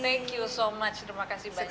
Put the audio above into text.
thank you so much terima kasih banyak mas ria